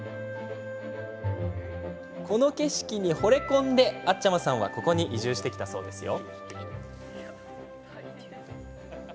この景色に、ほれ込んであっちゃまさんはここに移住してきたそうですよ。